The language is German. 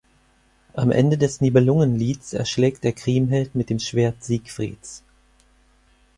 Am Ende des Nibelungenlieds erschlägt er Kriemhild mit dem Schwert Siegfrieds.